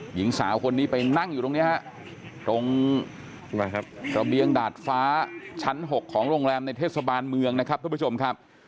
หญิงสาวคนนี้ไปนั่งอยู่ตรงนี้ฮะตรงระเบียงดาดฟ้าชั้น๖ของโรงแรมในเทศบาลเมืองนะครับทุกผู้ชมครับ